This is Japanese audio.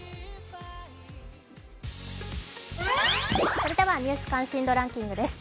それでは「ニュース関心度ランキング」です。